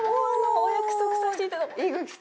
お約束させていただいた。